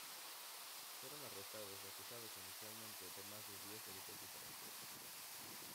Fueron arrestados y acusados inicialmente de más de diez delitos diferentes.